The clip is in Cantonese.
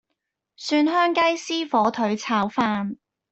蒜香雞絲火腿炒飯